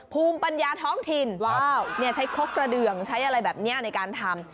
ภูมิปัญญาท้องถิ่นใช้ครกกระเดืองใช้อะไรแบบนี้ในการทำ